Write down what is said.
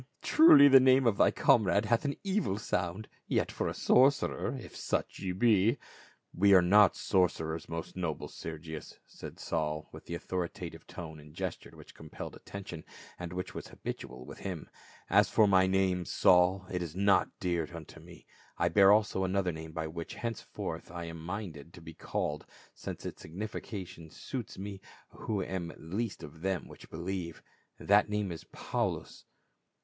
* truly the name of thy comrade hath an evil sound, yet for a sorcerer — if such ye be —" "We are not sorcerers, most noble Sergius," said Saul, with the authoritative tone and gesture which compelled attention, and which was habitual with him. "As for my name, Saul, it is not dear unto me ; I bear also another name by which henceforth I am minded to be called, since its signification suits me, who am least of them which believe ; that name is Paulus."